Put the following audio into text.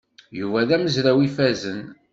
Yuba d amezraw ifazen.